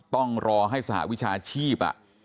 ต้องรอให้สหวิชาชีพ